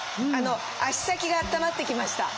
足先があったまってきました。